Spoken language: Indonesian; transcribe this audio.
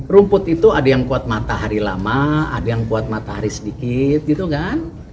rumput itu ada yang kuat matahari lama ada yang kuat matahari sedikit gitu kan